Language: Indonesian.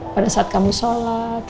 pada saat kamu sholat